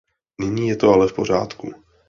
Nyní je to ale v pořádku.